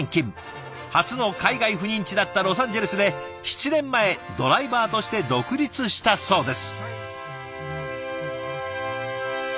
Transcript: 初の海外赴任地だったロサンゼルスで７年前ドライバーとして独立したそうです。